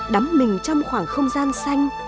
đắm mình trong khoảng không gian xanh